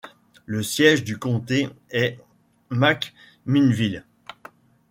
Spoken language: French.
Le siège du comté est McMinnville.